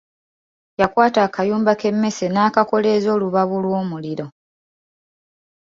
Yakwata akayumba k’emmese n’akakoleeza olubabu lw’omuliro.